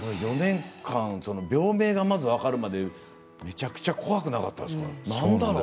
４年間病名がまず分かるまでめちゃくちゃ怖くなかったですか。